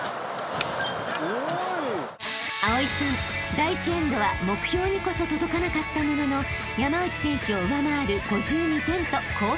第１エンドは目標にこそ届かなかったものの山内選手を上回る５２点と好成績］